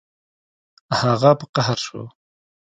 هغه په قهر شو